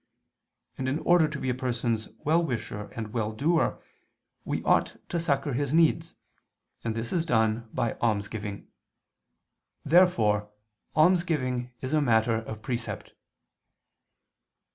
And in order to be a person's well wisher and well doer, we ought to succor his needs: this is done by almsgiving. Therefore almsgiving is a matter of precept.